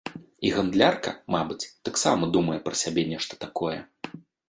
І гандлярка, мабыць, таксама думае пра сябе нешта такое.